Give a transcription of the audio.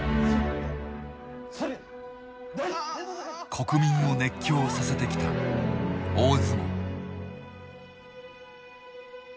国民を熱狂させてきた大相撲。